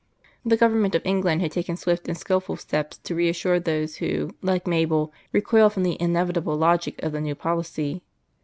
The Government of England had taken swift and skilful steps to reassure those who, like Mabel, recoiled from the inevitable logic of the new policy.